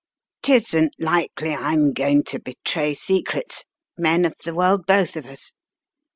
"'Tisn't likely I'm going to betray secrets — men of the world both of us."